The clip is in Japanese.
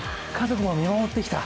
家族も見守ってきた。